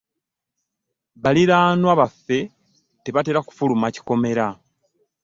Baliraanwa baffe tebatera kufuluma kikomera.